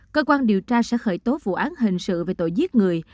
cơ quan điều tra sẽ khởi tố vụ án hình sự về tội giết người